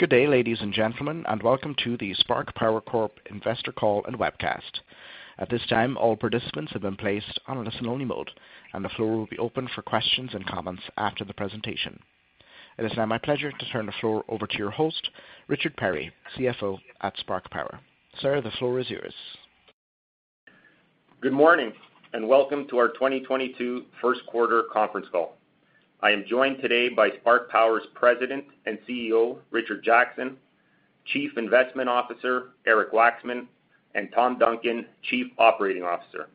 Good day, ladies and gentlemen, and welcome to the Spark Power Corp investor call and webcast. At this time, all participants have been placed on listen-only mode, and the floor will be open for questions and comments after the presentation. It is now my pleasure to turn the floor over to your host, Richard Perri, CFO at Spark Power. Sir, the floor is yours. Good morning and welcome to our 2022 First Quarter Conference Call. I am joined today by Spark Power's President and CEO, Richard Jackson, Chief Investment Officer, Eric Waxman, and Tom Duncan, Chief Operating Officer.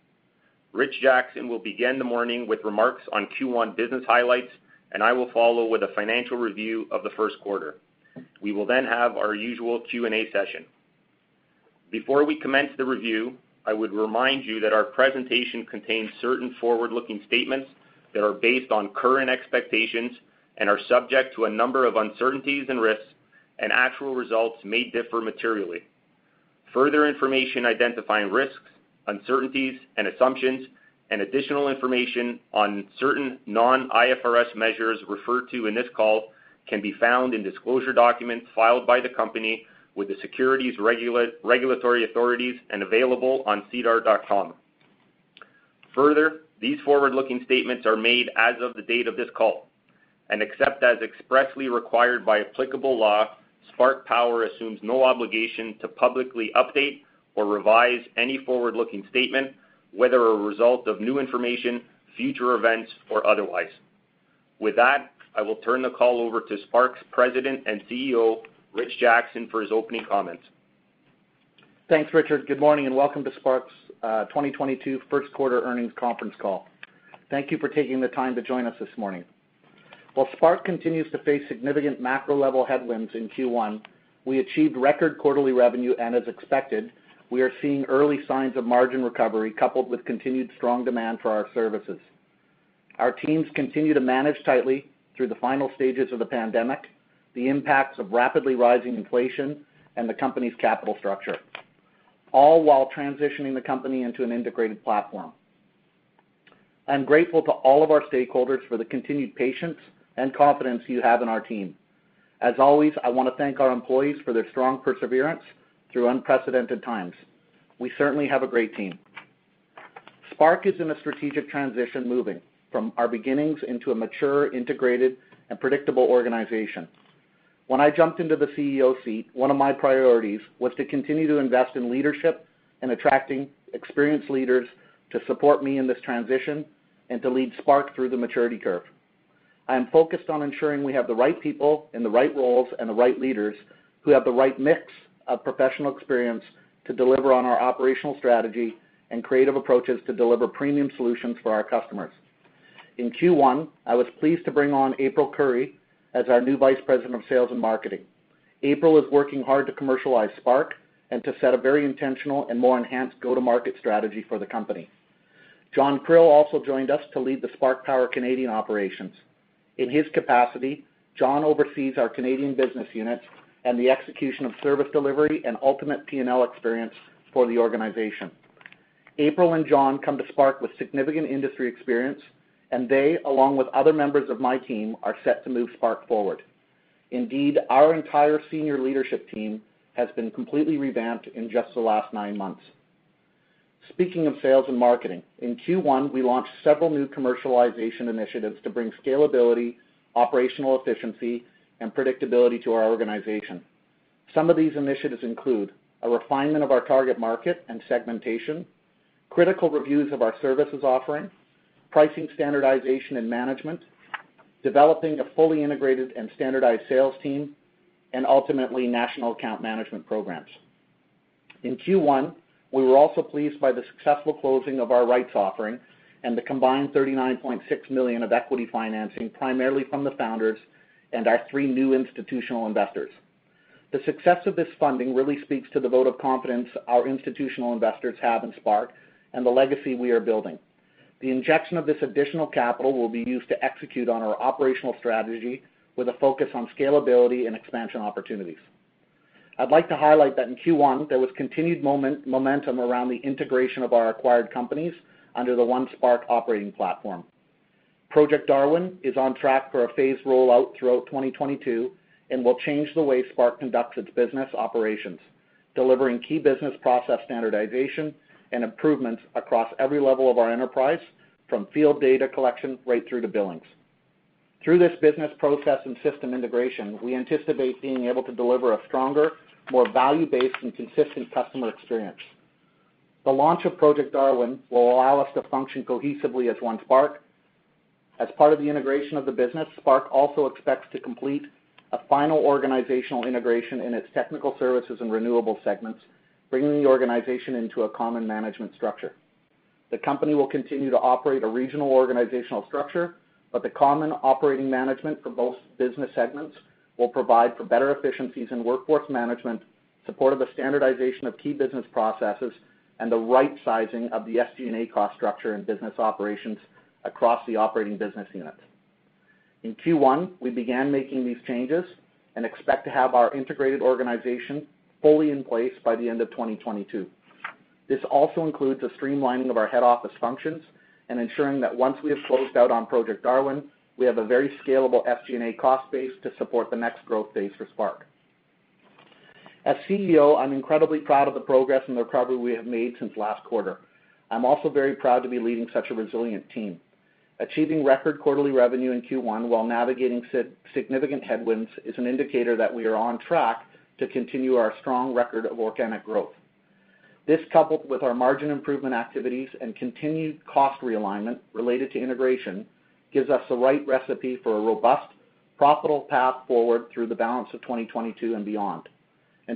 Rich Jackson will begin the morning with remarks on Q1 business highlights, and I will follow with a financial review of the first quarter. We will then have our usual Q&A session. Before we commence the review, I would remind you that our presentation contains certain forward-looking statements that are based on current expectations and are subject to a number of uncertainties and risks, and actual results may differ materially. Further information identifying risks, uncertainties, and assumptions, and additional information on certain non-IFRS measures referred to in this call can be found in disclosure documents filed by the company with the securities regulatory authorities and available on SEDAR+. Further, these forward-looking statements are made as of the date of this call, and except as expressly required by applicable law, Spark Power assumes no obligation to publicly update or revise any forward-looking statement, whether a result of new information, future events, or otherwise. With that, I will turn the call over to Spark's President and CEO, Rich Jackson, for his opening comments. Thanks, Richard. Good morning and welcome to Spark's 2022 First Quarter Earnings Conference Call. Thank you for taking the time to join us this morning. While Spark continues to face significant macro-level headwinds in Q1, we achieved record quarterly revenue, and as expected, we are seeing early signs of margin recovery coupled with continued strong demand for our services. Our teams continue to manage tightly through the final stages of the pandemic, the impacts of rapidly rising inflation, and the company's capital structure, all while transitioning the company into an integrated platform. I'm grateful to all of our stakeholders for the continued patience and confidence you have in our team. As always, I want to thank our employees for their strong perseverance through unprecedented times. We certainly have a great team. Spark is in a strategic transition, moving from our beginnings into a mature, integrated, and predictable organization. When I jumped into the CEO seat, one of my priorities was to continue to invest in leadership and attracting experienced leaders to support me in this transition and to lead Spark through the maturity curve. I am focused on ensuring we have the right people in the right roles and the right leaders who have the right mix of professional experience to deliver on our operational strategy and creative approaches to deliver premium solutions for our customers. In Q1, I was pleased to bring on April Currey as our new Vice President of Sales and Marketing. April is working hard to commercialize Spark and to set a very intentional and more enhanced go-to-market strategy for the company. John Krill also joined us to lead the Spark Power Canadian operations. In his capacity, John oversees our Canadian business units and the execution of service delivery and ultimate P&L experience for the organization. April and John come to Spark with significant industry experience, and they, along with other members of my team, are set to move Spark forward. Indeed, our entire senior leadership team has been completely revamped in just the last nine months. Speaking of sales and marketing, in Q1, we launched several new commercialization initiatives to bring scalability, operational efficiency, and predictability to our organization. Some of these initiatives include a refinement of our target market and segmentation, critical reviews of our services offering, pricing standardization and management, developing a fully integrated and standardized sales team, and ultimately, national account management programs. In Q1, we were also pleased by the successful closing of our rights offering and the combined 39.6 million of equity financing, primarily from the founders and our three new institutional investors. The success of this funding really speaks to the vote of confidence our institutional investors have in Spark and the legacy we are building. The injection of this additional capital will be used to execute on our operational strategy with a focus on scalability and expansion opportunities. I'd like to highlight that in Q1, there was continued momentum around the integration of our acquired companies under the One Spark operating platform. Project Darwin is on track for a phased rollout throughout 2022 and will change the way Spark conducts its business operations, delivering key business process standardization and improvements across every level of our enterprise from field data collection right through to billings. Through this business process and system integration, we anticipate being able to deliver a stronger, more value-based, and consistent customer experience. The launch of Project Darwin will allow us to function cohesively as One Spark. As part of the integration of the business, Spark also expects to complete a final organizational integration in its technical services and renewable segments, bringing the organization into a common management structure. The company will continue to operate a regional organizational structure, but the common operating management for both business segments will provide for better efficiencies in workforce management, support of a standardization of key business processes, and the right sizing of the SG&A cost structure and business operations across the operating business units. In Q1, we began making these changes and expect to have our integrated organization fully in place by the end of 2022. This also includes a streamlining of our head office functions and ensuring that once we have closed out on Project Darwin, we have a very scalable SG&A cost base to support the next growth phase for Spark. As CEO, I'm incredibly proud of the progress and the recovery we have made since last quarter. I'm also very proud to be leading such a resilient team. Achieving record quarterly revenue in Q1 while navigating significant headwinds is an indicator that we are on track to continue our strong record of organic growth. This, coupled with our margin improvement activities and continued cost realignment related to integration, gives us the right recipe for a robust, profitable path forward through the balance of 2022 and beyond.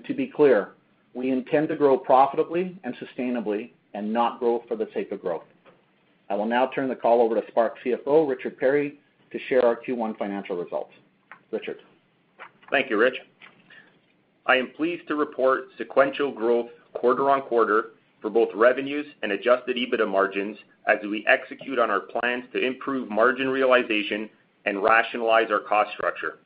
To be clear, we intend to grow profitably and sustainably and not grow for the sake of growth. I will now turn the call over to Spark CFO, Richard Perri, to share our Q1 financial results. Richard. Thank you, Rich. I am pleased to report sequential growth quarter-over-quarter for both revenues and adjusted EBITDA margins as we execute on our plans to improve margin realization and rationalize our cost structure.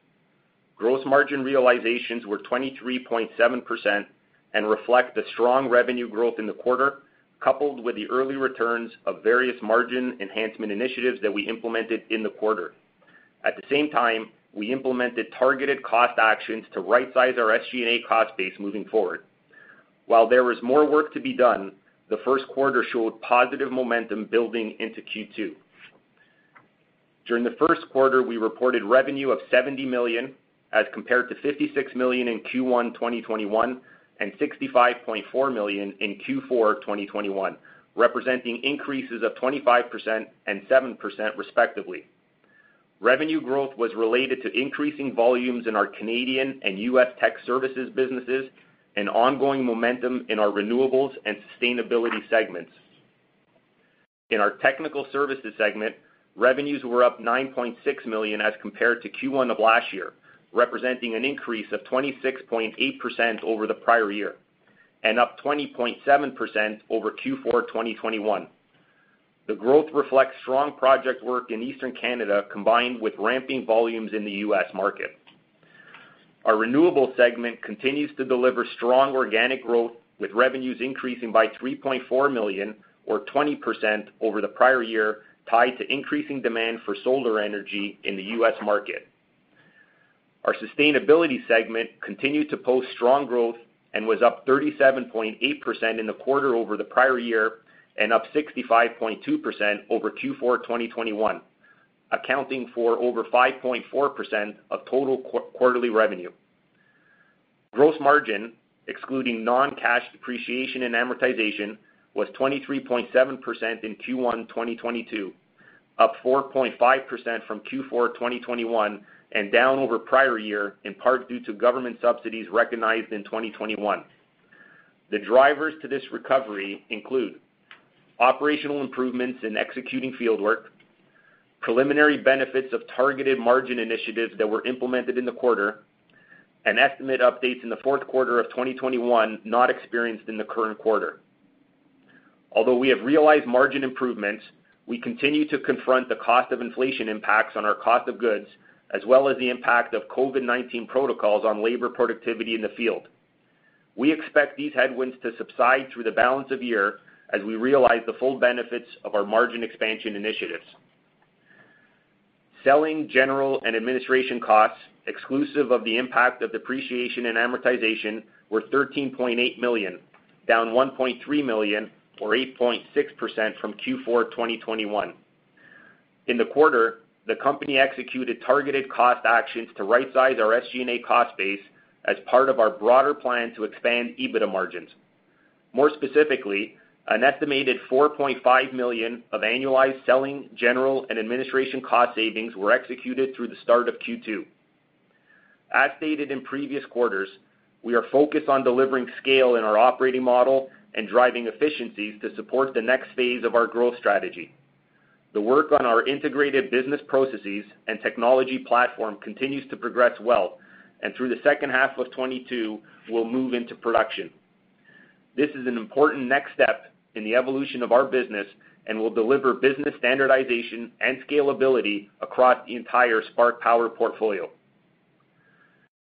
Gross margin realizations were 23.7% and reflect the strong revenue growth in the quarter, coupled with the early returns of various margin enhancement initiatives that we implemented in the quarter. At the same time, we implemented targeted cost actions to rightsize our SG&A cost base moving forward. While there was more work to be done, the first quarter showed positive momentum building into Q2. During the first quarter, we reported revenue of 70 million as compared to 56 million in Q1 2021 and 65.4 million in Q4 2021, representing increases of 25% and 7% respectively. Revenue growth was related to increasing volumes in our Canadian and U.S. tech services businesses and ongoing momentum in our renewables and sustainability segments. In our technical services segment, revenues were up 9.6 million as compared to Q1 of last year, representing an increase of 26.8% over the prior year and up 20.7% over Q4 2021. The growth reflects strong project work in Eastern Canada, combined with ramping volumes in the U.S. market. Our renewable segment continues to deliver strong organic growth, with revenues increasing by 3.4 million or 20% over the prior year, tied to increasing demand for solar energy in the U.S. market. Our sustainability segment continued to post strong growth and was up 37.8% in the quarter over the prior year and up 65.2% over Q4 2021, accounting for over 5.4% of total quarterly revenue. Gross margin, excluding non-cash depreciation and amortization, was 23.7% in Q1 2022, up 4.5% from Q4 2021 and down over prior year, in part due to government subsidies recognized in 2021. The drivers to this recovery include operational improvements in executing field work, preliminary benefits of targeted margin initiatives that were implemented in the quarter, and estimate updates in the fourth quarter of 2021 not experienced in the current quarter. Although we have realized margin improvements, we continue to confront the cost of inflation impacts on our cost of goods, as well as the impact of COVID-19 protocols on labor productivity in the field. We expect these headwinds to subside through the balance of the year as we realize the full benefits of our margin expansion initiatives. Selling, general, and administration costs, exclusive of the impact of depreciation and amortization, were 13.8 million, down 1.3 million or 8.6% from Q4 2021. In the quarter, the company executed targeted cost actions to rightsize our SG&A cost base as part of our broader plan to expand EBITDA margins. More specifically, an estimated 4.5 million of annualized selling, general, and administration cost savings were executed through the start of Q2. As stated in previous quarters, we are focused on delivering scale in our operating model and driving efficiencies to support the next phase of our growth strategy. The work on our integrated business processes and technology platform continues to progress well, and through the second half of 2022 will move into production. This is an important next step in the evolution of our business and will deliver business standardization and scalability across the entire Spark Power portfolio.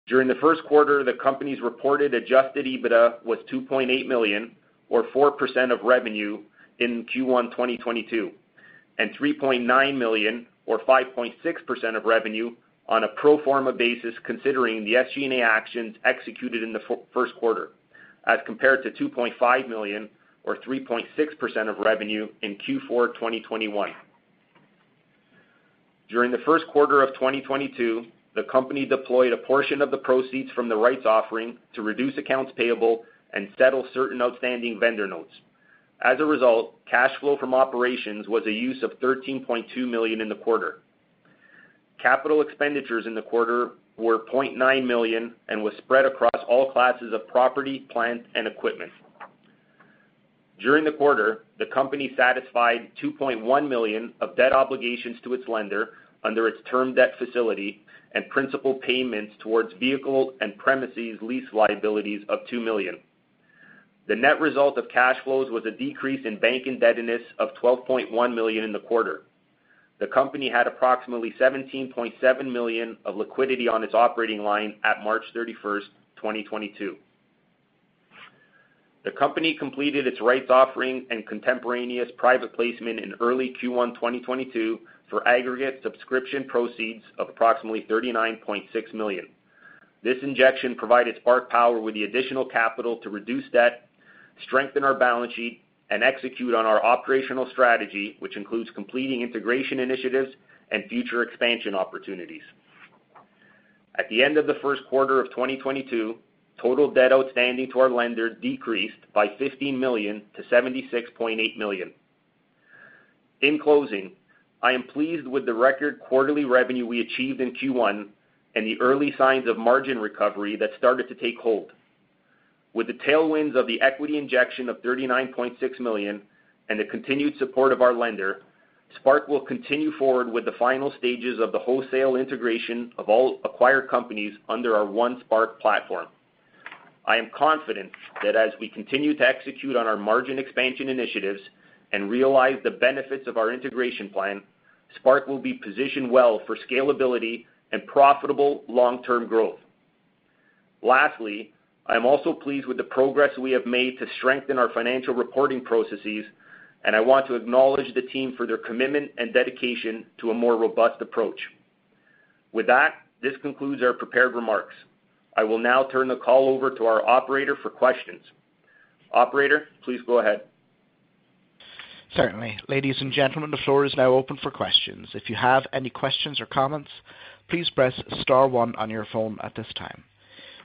During the first quarter, the company's reported adjusted EBITDA was 2.8 million or 4% of revenue in Q1 2022, and 3.9 million or 5.6% of revenue on a pro forma basis, considering the SG&A actions executed in the first quarter, as compared to 2.5 million or 3.6% of revenue in Q4 2021. During the first quarter of 2022, the company deployed a portion of the proceeds from the rights offering to reduce accounts payable and settle certain outstanding vendor notes. As a result, cash flow from operations was a use of 13.2 million in the quarter. Capital expenditures in the quarter were 0.9 million and was spread across all classes of property, plant, and equipment. During the quarter, the company satisfied 2.1 million of debt obligations to its lender under its term debt facility and principal payments towards vehicle and premises lease liabilities of 2 million. The net result of cash flows was a decrease in bank indebtedness of 12.1 million in the quarter. The company had approximately 17.7 million of liquidity on its operating line at March 31, 2022. The company completed its rights offering and contemporaneous private placement in early Q1, 2022 for aggregate subscription proceeds of approximately 39.6 million. This injection provided Spark Power with the additional capital to reduce debt, strengthen our balance sheet, and execute on our operational strategy, which includes completing integration initiatives and future expansion opportunities. At the end of the first quarter of 2022, total debt outstanding to our lender decreased by 15 million to 76.8 million. In closing, I am pleased with the record quarterly revenue we achieved in Q1 and the early signs of margin recovery that started to take hold. With the tailwinds of the equity injection of 39.6 million and the continued support of our lender, Spark will continue forward with the final stages of the wholesale integration of all acquired companies under our One Spark platform. I am confident that as we continue to execute on our margin expansion initiatives and realize the benefits of our integration plan, Spark will be positioned well for scalability and profitable long-term growth. Lastly, I am also pleased with the progress we have made to strengthen our financial reporting processes, and I want to acknowledge the team for their commitment and dedication to a more robust approach. With that, this concludes our prepared remarks. I will now turn the call over to our operator for questions. Operator, please go ahead. Certainly. Ladies and gentlemen, the floor is now open for questions. If you have any questions or comments, please press star one on your phone at this time.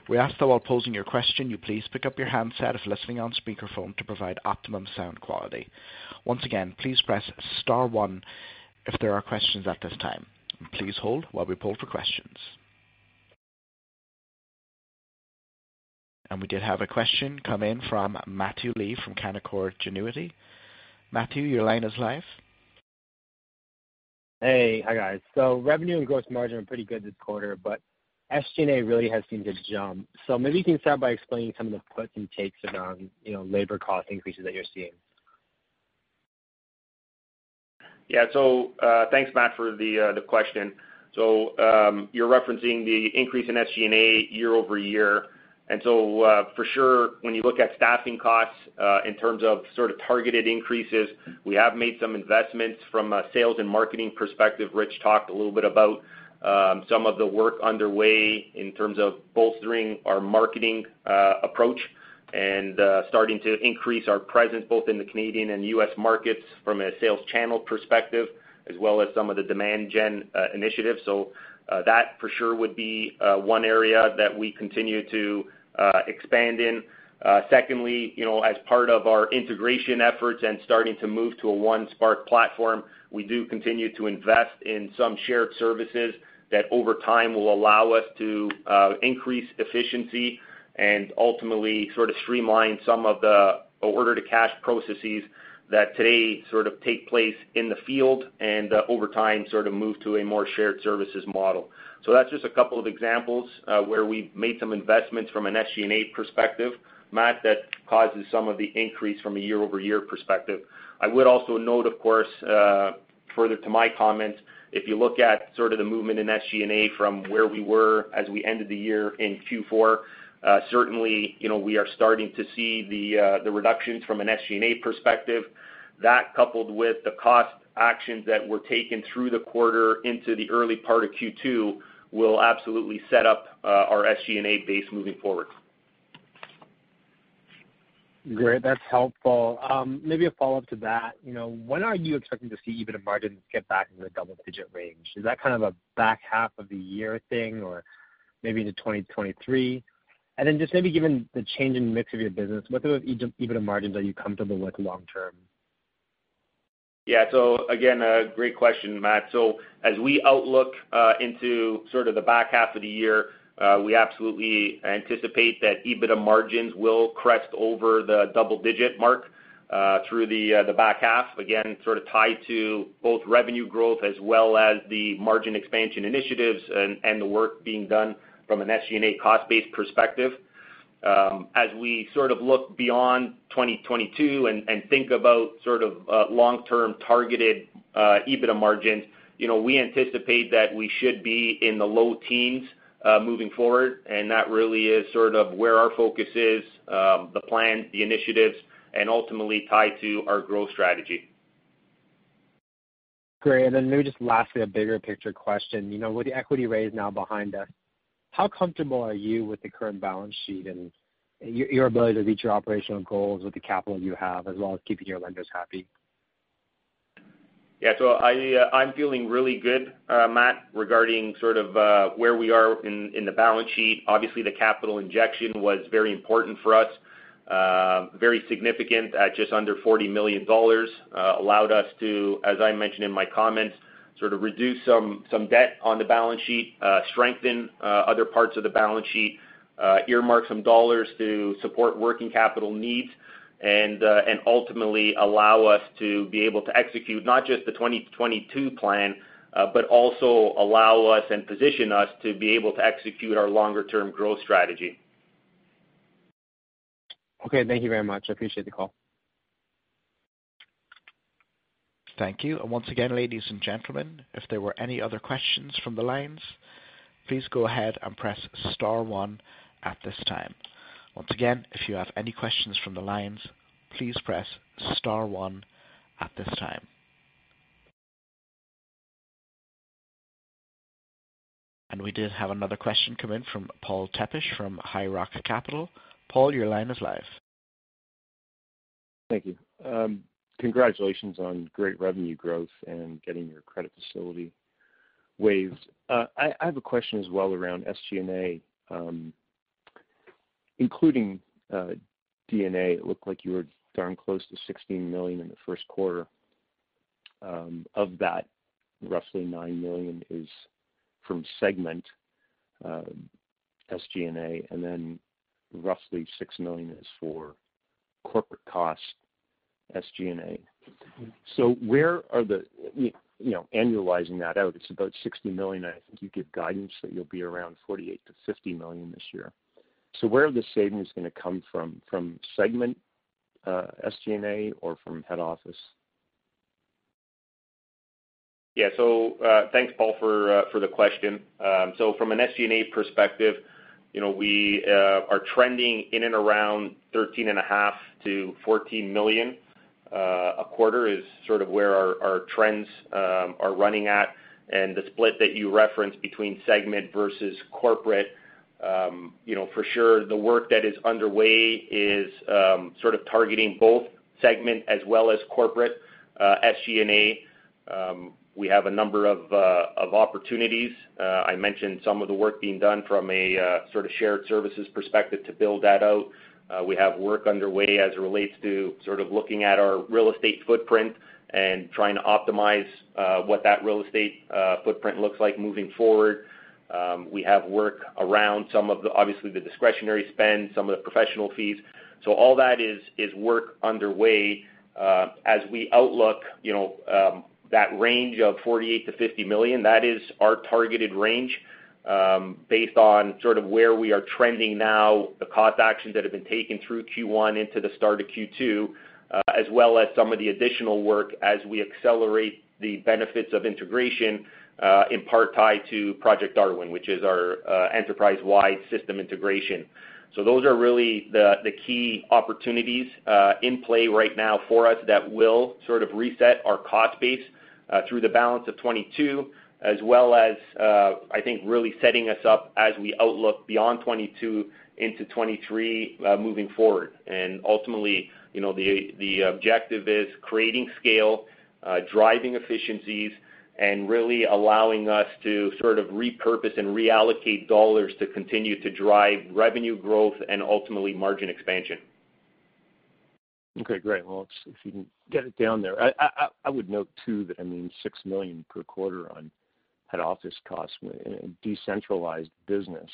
We ask, though, while posing your question, you please pick up your handset if listening on speakerphone to provide optimum sound quality. Once again, please press star one if there are questions at this time. Please hold while we poll for questions. We did have a question come in from Matthew Lee from Canaccord Genuity. Matthew, your line is live. Hey. Hi, guys. Revenue and gross margin are pretty good this quarter, but SG&A really has seemed to jump. Maybe you can start by explaining some of the puts and takes around, you know, labor cost increases that you're seeing. Yeah. Thanks, Matt, for the question. You're referencing the increase in SG&A year-over-year. For sure, when you look at staffing costs, in terms of sort of targeted increases, we have made some investments from a sales and marketing perspective. Rich talked a little bit about some of the work underway in terms of bolstering our marketing approach and starting to increase our presence both in the Canadian and U.S. markets from a sales channel perspective, as well as some of the demand gen initiatives. That for sure would be one area that we continue to expand in. Secondly, you know, as part of our integration efforts and starting to move to a One Spark platform, we do continue to invest in some shared services that over time will allow us to increase efficiency and ultimately sort of streamline some of the order-to-cash processes that today sort of take place in the field and over time, sort of move to a more shared services model. So that's just a couple of examples where we've made some investments from an SG&A perspective, Matt, that causes some of the increase from a year-over-year perspective. I would also note, of course, further to my comments, if you look at sort of the movement in SG&A from where we were as we ended the year in Q4, certainly, you know, we are starting to see the reductions from an SG&A perspective. That coupled with the cost actions that were taken through the quarter into the early part of Q2 will absolutely set up our SG&A base moving forward. Great. That's helpful. Maybe a follow-up to that. You know, when are you expecting to see EBITDA margins get back into the double-digit range? Is that kind of a back half of the year thing or maybe into 2023? Just maybe given the change in mix of your business, what sort of EBITDA margins are you comfortable with long term? Yeah. Again, a great question, Matt. As we outlook into sort of the back half of the year, we absolutely anticipate that EBITDA margins will crest over the double-digit mark through the back half, again, sort of tied to both revenue growth as well as the margin expansion initiatives and the work being done from an SG&A cost-based perspective. As we sort of look beyond 2022 and think about sort of long-term targeted EBITDA margins, you know, we anticipate that we should be in the low teens moving forward, and that really is sort of where our focus is, the plan, the initiatives, and ultimately tied to our growth strategy. Great. Maybe just lastly, a bigger picture question. You know, with the equity raise now behind us, how comfortable are you with the current balance sheet and your ability to reach your operational goals with the capital you have, as well as keeping your lenders happy? Yeah. I'm feeling really good, Matt, regarding sort of, where we are in the balance sheet. Obviously, the capital injection was very important for us, very significant at just under 40 million dollars, allowed us to, as I mentioned in my comments, sort of reduce some debt on the balance sheet, strengthen other parts of the balance sheet, earmark some dollars to support working capital needs and ultimately allow us to be able to execute not just the 2022 plan, but also allow us and position us to be able to execute our longer term growth strategy. Okay, thank you very much. I appreciate the call. Thank you. Once again, ladies and gentlemen, if there were any other questions from the lines, please go ahead and press star one at this time. Once again, if you have any questions from the lines, please press star one at this time. We did have another question come in from Paul Tepsich from High Rock Capital. Paul, your line is live. Thank you. Congratulations on great revenue growth and getting your credit facility waived. I have a question as well around SG&A. Including D&A, it looked like you were darn close to 16 million in the first quarter. Of that, roughly 9 million is from segment SG&A, and then roughly 6 million is for corporate cost SG&A. You know, annualizing that out, it's about 60 million, and I think you give guidance that you'll be around 48 million-50 million this year. Where are the savings gonna come from? From segment SG&A or from head office? Yeah. Thanks, Paul, for the question. From an SG&A perspective, you know, we are trending in and around 13.5 million-14 million a quarter, which is sort of where our trends are running at. The split that you referenced between segment versus corporate, you know, for sure the work that is underway is sort of targeting both segment as well as corporate SG&A. We have a number of opportunities. I mentioned some of the work being done from a sort of shared services perspective to build that out. We have work underway as it relates to sort of looking at our real estate footprint and trying to optimize what that real estate footprint looks like moving forward. We have work around some of the, obviously, the discretionary spend, some of the professional fees. All that is work underway, as we outlook, you know, that range of 48 million-50 million. That is our targeted range, based on sort of where we are trending now, the cost actions that have been taken through Q1 into the start of Q2, as well as some of the additional work as we accelerate the benefits of integration, in part tied to Project Darwin, which is our enterprise-wide system integration. Those are really the key opportunities in play right now for us that will sort of reset our cost base through the balance of 2022, as well as, I think really setting us up as we outlook beyond 2022 into 2023, moving forward. Ultimately, you know, the objective is creating scale, driving efficiencies, and really allowing us to sort of repurpose and reallocate dollars to continue to drive revenue growth and ultimately margin expansion. Okay, great. Well, if you can get it down there. I would note too that, I mean, 6 million per quarter on head office costs in a decentralized business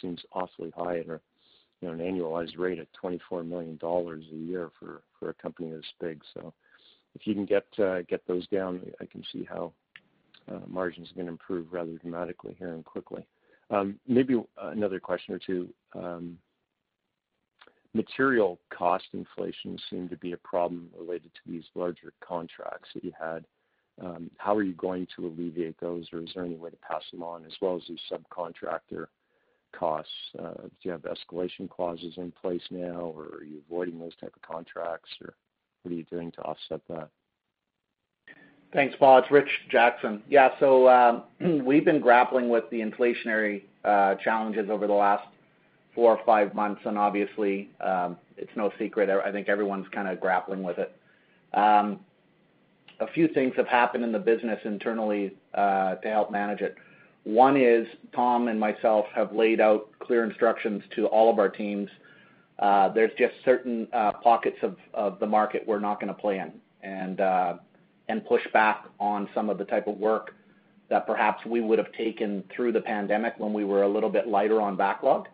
seems awfully high at a, you know, an annualized rate of 24 million dollars a year for a company this big. If you can get those down, I can see how margins are gonna improve rather dramatically here and quickly. Maybe another question or two. Material cost inflation seemed to be a problem related to these larger contracts that you had. How are you going to alleviate those, or is there any way to pass them on as well as the subcontractor costs? Do you have escalation clauses in place now, or are you avoiding those type of contracts, or what are you doing to offset that? Thanks, Paul. It's Rich Jackson. Yeah, we've been grappling with the inflationary challenges over the last four or five months, and obviously, it's no secret. I think everyone's kinda grappling with it. A few things have happened in the business internally to help manage it. One is Tom and myself have laid out clear instructions to all of our teams. There's just certain pockets of the market we're not gonna play in and push back on some of the type of work that perhaps we would have taken through the pandemic when we were a little bit lighter on backlog.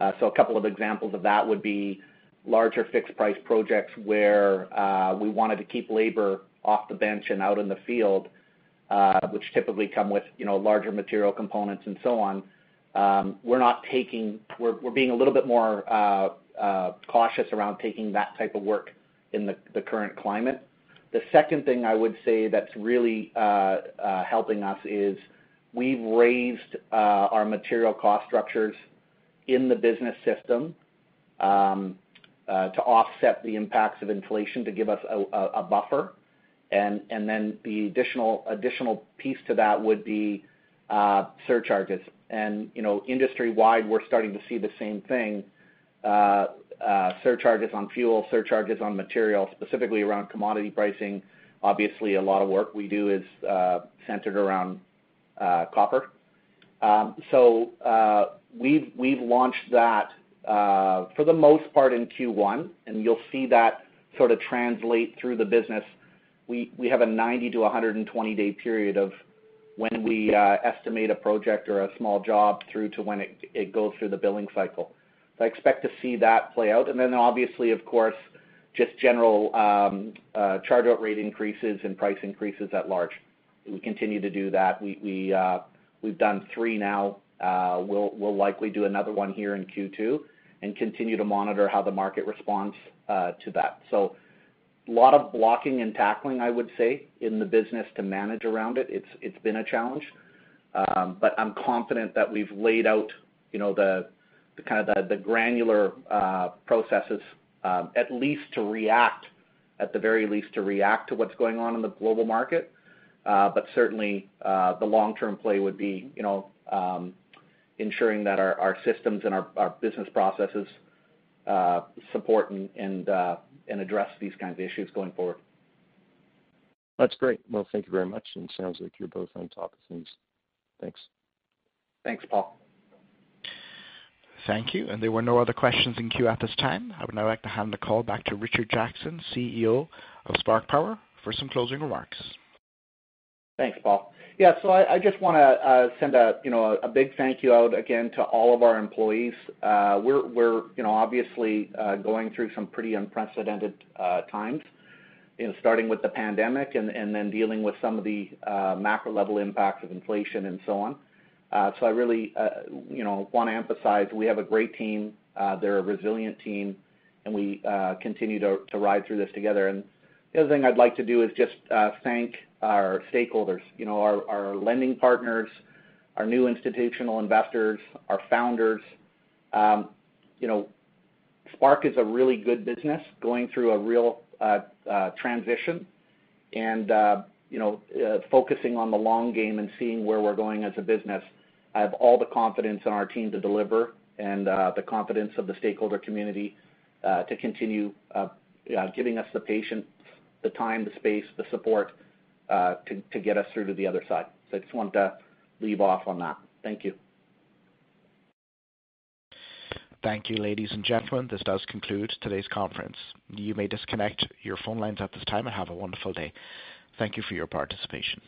A couple of examples of that would be larger fixed price projects where we wanted to keep labor off the bench and out in the field, which typically come with you know larger material components and so on. We're being a little bit more cautious around taking that type of work in the current climate. The second thing I would say that's really helping us is we've raised our material cost structures in the business system to offset the impacts of inflation to give us a buffer. The additional piece to that would be surcharges. You know, industry-wide, we're starting to see the same thing, surcharges on fuel, surcharges on material, specifically around commodity pricing. Obviously, a lot of work we do is centered around copper. We've launched that, for the most part in Q1, and you'll see that sort of translate through the business. We have a 90- to 120-day period of when we estimate a project or a small job through to when it goes through the billing cycle. I expect to see that play out. Obviously, of course, just general charge out rate increases and price increases at large. We continue to do that. We've done three now. We'll likely do another one here in Q2 and continue to monitor how the market responds to that. A lot of blocking and tackling, I would say, in the business to manage around it. It's been a challenge. I'm confident that we've laid out, you know, the kind of granular processes at the very least to react to what's going on in the global market. Certainly the long-term play would be, you know, ensuring that our systems and our business processes support and address these kinds of issues going forward. That's great. Well, thank you very much. Sounds like you're both on top of things. Thanks. Thanks, Paul. Thank you. There were no other questions in queue at this time. I would now like to hand the call back to Richard Jackson, CEO of Spark Power, for some closing remarks. Thanks, Paul. Yeah. I just wanna send a you know a big thank you out again to all of our employees. We're you know obviously going through some pretty unprecedented times you know starting with the pandemic and then dealing with some of the macro level impacts of inflation and so on. I really you know wanna emphasize we have a great team. They're a resilient team and we continue to ride through this together. The other thing I'd like to do is just thank our stakeholders you know our lending partners our new institutional investors our founders. You know Spark is a really good business going through a real transition and you know focusing on the long game and seeing where we're going as a business. I have all the confidence in our team to deliver and, the confidence of the stakeholder community, to continue, giving us the patience, the time, the space, the support, to get us through to the other side. I just wanted to leave off on that. Thank you. Thank you, ladies and gentlemen. This does conclude today's conference. You may disconnect your phone lines at this time and have a wonderful day. Thank you for your participation.